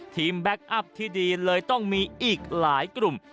แบ็คอัพที่ดีเลยต้องมีอีกหลายกลุ่ม